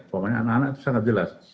pokoknya anak anak itu sangat jelas